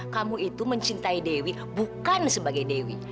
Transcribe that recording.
kamu itu mencintai dewi bukan sebagai dewi